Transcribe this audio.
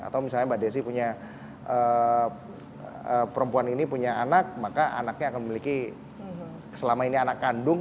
atau misalnya mbak desi punya perempuan ini punya anak maka anaknya akan memiliki selama ini anak kandung